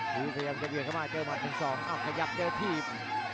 พยายามจะเบียดเข้ามาเจอหมัด๑๒อ้าวขยับเจอถีบ